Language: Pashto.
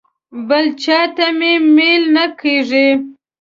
بل چاته مې میل نه کېږي.